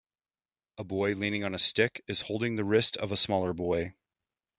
A boy leaning on a stick is holding the wrist of a smaller boy.